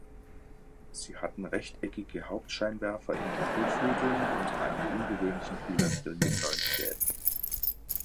Sie hatten rechteckige Hauptscheinwerfer in den Kotflügeln und einen ungewöhnlichen Kühlergrill mit neun Stäben.